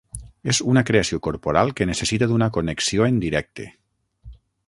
És una creació corporal que necessita d'una connexió en directe.